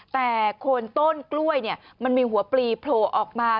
แต่โคนต้นกล้วยมันมีหัวปลีโผล่ออกมา